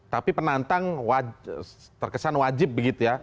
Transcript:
tapi penantang terkesan wajib begitu ya